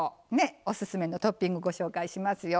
おすすめのトッピングご紹介しますよ。